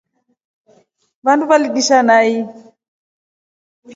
Vandu validisha nai.